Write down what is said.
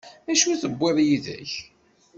D acu i d-tewwiḍ yid-k?